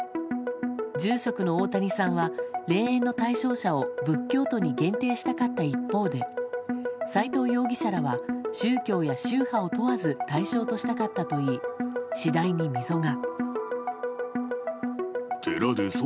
住職の大谷さんは霊園の対象者を仏教徒に限定したかった一方で斎藤容疑者らは宗教や宗派を問わず対象としたかったといい次第に溝が。